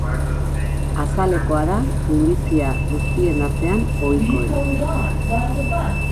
Azalekoa da minbizia guztien artean ohikoena.